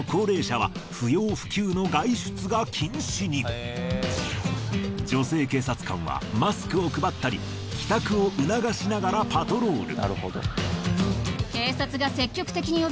そのため女性警察官はマスクを配ったり帰宅を促しながらパトロール。